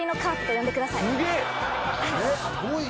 すごいな。